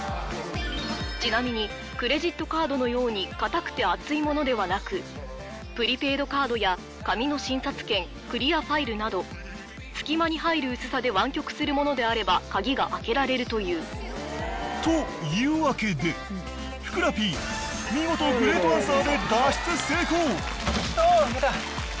ちなみにクレジットカードのように硬くて厚いものではなくプリペイドカードや紙の診察券クリアファイルなど隙間に入る薄さで湾曲するものであれば鍵が開けられるというというわけでふくらＰ見事グレートアンサーで脱出成功あいけた！